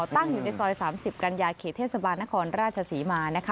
ตั้งอยู่ในซอย๓๐กันยาเขตเทศบาลนครราชศรีมานะคะ